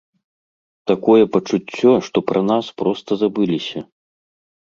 Такое пачуццё, што пра нас проста забыліся!